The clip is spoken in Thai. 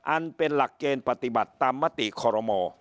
อันเป็นหลักเกณฑ์ปฏิบัติตามมติคอรมอ